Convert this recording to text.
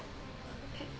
えっ？